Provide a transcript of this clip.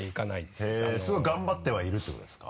すごい頑張ってはいるってことですか？